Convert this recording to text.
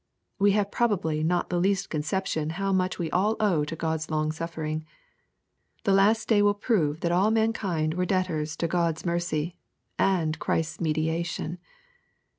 We have probably not the least conception how much we all owe to God's long* suffering. The last day will prove that all mankind were debtors to God's mercy, and Christ's mediation.